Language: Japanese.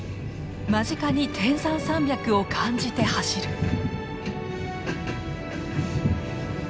間近に天山山脈を感じて走る。